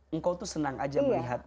engkau senang saja melihat